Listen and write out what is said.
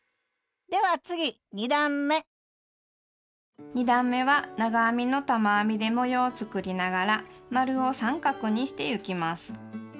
では次２段め２段めは長編みの玉編みで模様を作りながら円を三角にしてゆきます。